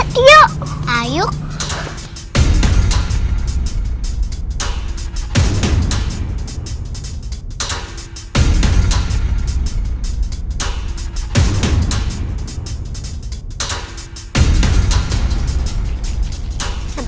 tiga orang kecil